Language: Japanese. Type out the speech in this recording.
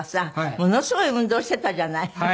ものすごい運動してたじゃない？